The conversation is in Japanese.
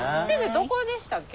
どこでしたっけ？